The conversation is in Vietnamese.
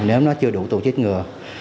nếu nó chưa đủ tù chích ngừa